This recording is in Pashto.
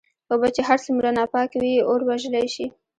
اوبه چې هرڅومره ناپاکي وي اور وژلی شې.